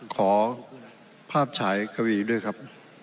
ขอภาพฉายกวีด้วยครับ